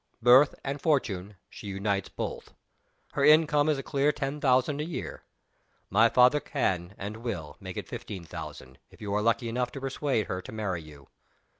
Birth and fortune she unites both. Her income is a clear ten thousand a year. My father can and will, make it fifteen thousand, if you are lucky enough to persuade her to marry you.